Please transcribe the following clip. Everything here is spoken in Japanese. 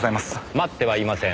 待ってはいません。